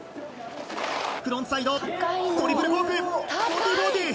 フロントサイドトリプルコーク１４４０。